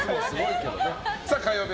火曜日